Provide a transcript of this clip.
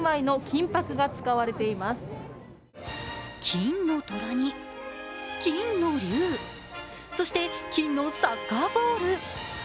金の虎に、金の竜、そして、金のサッカーボール。